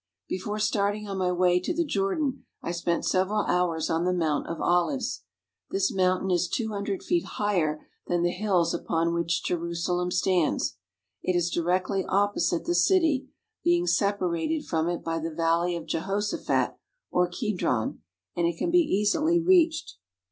Before starting on my way to the Jordan I spent sev eral hours on the Mount of Olives. This mountain is two hundred feet higher than the hills upon which Je rusalem stands. It is directly opposite the city, being separated from it by the Valley of Jehoshaphat or Kedron, and it can be easily reached.